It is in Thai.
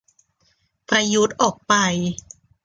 ประยุทธ์ออกไป